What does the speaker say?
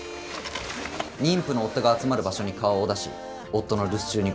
妊婦の夫が集まる場所に顔を出し夫の留守中に強盗を行う。